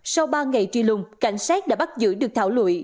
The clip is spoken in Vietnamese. một lãnh sát đã bắt giữ được thảo lụy